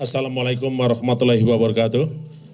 assalamualaikum warahmatullahi wabarakatuh